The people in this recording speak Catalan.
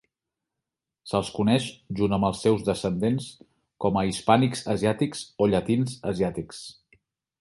Se'ls coneix, junt amb els seus descendents, com a hispànics asiàtics o llatins asiàtics.